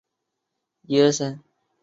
米尔维勒。